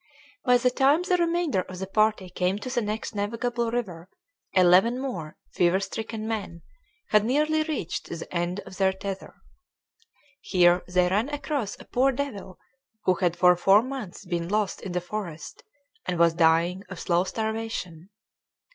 By the time the remainder of the party came to the next navigable river eleven more fever stricken men had nearly reached the end of their tether. Here they ran across a poor devil who had for four months been lost in the forest and was dying of slow starvation.